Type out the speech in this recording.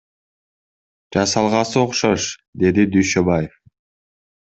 Жасалгасы окшош, — деди Дүйшөбаев.